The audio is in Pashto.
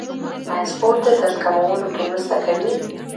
آیا سپورت د درد کمولو کې مرسته کوي؟